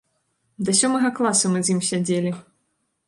Да сёмага класа мы з ім сядзелі.